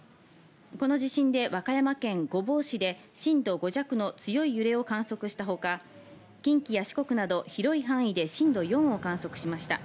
この地震で和歌山県御坊市で震度５弱の強い揺れを観測したほか、近畿や四国など広い範囲で震度４を観測しました。